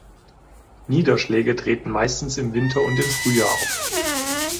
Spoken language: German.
Niederschläge treten meistens im Winter und im Frühjahr auf.